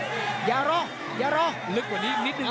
ลิกกว่านิดนึงนี่ทางเงิน